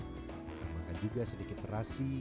tambahkan juga sedikit terasi